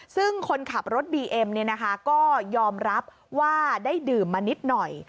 ซึ่งคนขับรถบีเอ็มก็ยอมรับว่าได้ดื่มมานิดหน่อย